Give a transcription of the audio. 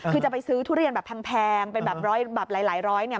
คือจะไปซื้อทุเรียนแพงเป็นแบบร้อยร้อยเนี่ย